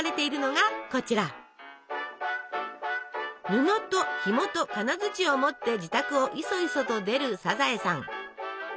布とひもと金づちを持って自宅をいそいそと出るサザエさん。